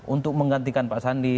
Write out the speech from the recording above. untuk menggantikan pak sandi